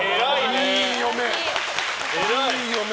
いい嫁！